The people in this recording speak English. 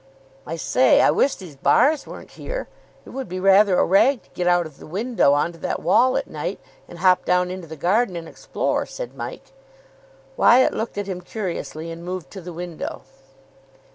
"I say, I wish these bars weren't here. It would be rather a rag to get out of the window on to that wall at night, and hop down into the garden and explore," said Mike. Wyatt looked at him curiously, and moved to the window.